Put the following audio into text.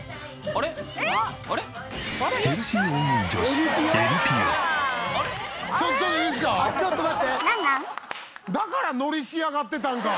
「あっちょっと待って！」